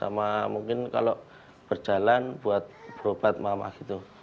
sama mungkin kalau berjalan buat berobat mama gitu